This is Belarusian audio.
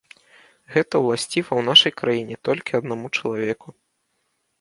Гэта ўласціва ў нашай краіне толькі аднаму чалавеку.